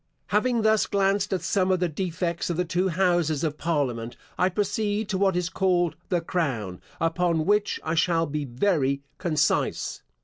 Having thus glanced at some of the defects of the two houses of parliament, I proceed to what is called the crown, upon which I shall be very concise.